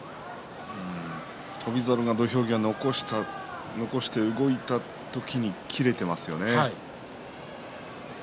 翔猿が土俵際で残して動いた時に切れていますよね。